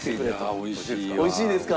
美味しいですか？